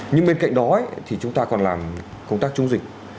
nhưng bên cạnh đó thì chúng ta còn làm công tác chống dịch